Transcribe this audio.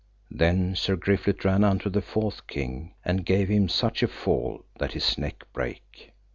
Then Sir Griflet ran unto the fourth king, and gave him such a fall that his neck brake.